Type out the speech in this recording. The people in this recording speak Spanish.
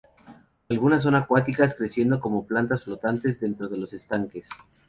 Algunas son acuáticas, creciendo como plantas flotantes dentro de los estanques.